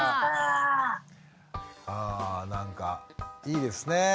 あなんかいいですね。